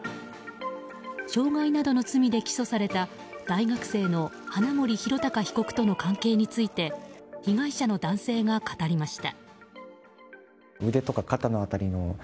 傷害などの罪で起訴された大学生の花森弘卓被告との関係について被害者の男性が語りました。